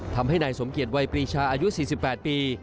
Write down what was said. ทำให้นายสมเกียจวัยปรีชาอายุ๔๘ปี